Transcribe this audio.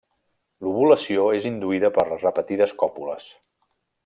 L'ovulació és induïda per les repetides còpules.